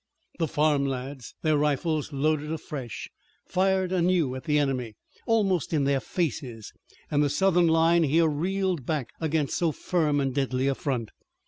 The farm lads, their rifles loaded afresh, fired anew at the enemy, almost in their faces, and the Southern line here reeled back against so firm and deadly a front.